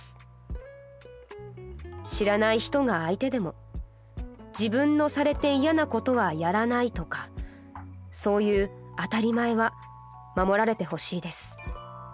知らない人が相手でも自分のされて嫌なことはやらないとかそういう当たり前は守られてほしいです」。